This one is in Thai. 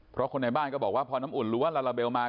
เพราะคนในบ้านก็บอกว่าพอน้ำอุ่นรู้ว่าลาลาเบลมา